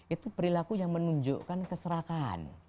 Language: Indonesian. itu perilaku yang menunjukkan keserakahan